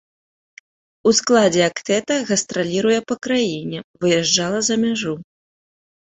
У складзе актэта гастраліруе па краіне, выязджала за мяжу.